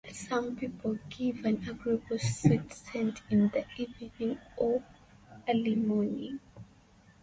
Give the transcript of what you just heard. Some give an agreeable, sweet scent in the evening or early morning.